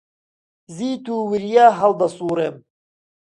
زیت و وریا هەڵدەسووڕێم.